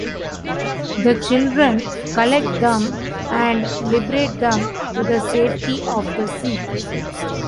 The children collect them and liberate them to the safety of the sea.